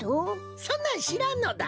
そんなんしらんのだ！